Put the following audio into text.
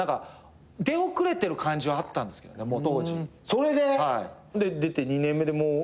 それで出て２年目でもう。